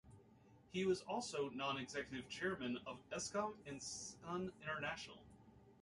He was also non-executive Chairman of Eskom and Sun International.